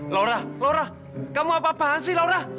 laura laura kamu apa apaan sih laura